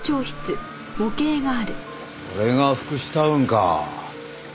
これが福祉タウンか。